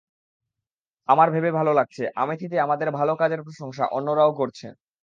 আমার ভেবে ভালো লাগছে, আমেথিতে আমাদের ভালো কাজের প্রশংসা অন্যরাও করছেন।